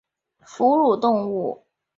长鼻松鼠属等之数种哺乳动物。